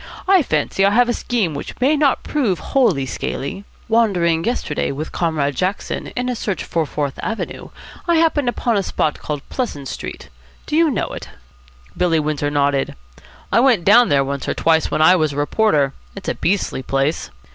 "I fancy I have a scheme which may not prove wholly scaly. Wandering yesterday with Comrade Jackson in a search for Fourth Avenue, I happened upon a spot called Pleasant Street. Do you know it?" Billy Windsor nodded. "I went down there once or twice when I was a reporter. It's a beastly place."